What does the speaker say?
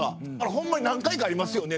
ホンマに何回かありますよね。